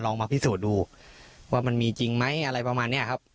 มาพิสูจน์ดูว่ามันมีจริงไหมอะไรประมาณนี้ครับ